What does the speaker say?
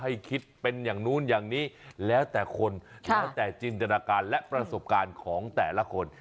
อินทนาการและประสบการณ์ของแต่ละคน